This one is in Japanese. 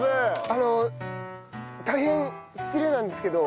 あの大変失礼なんですけど。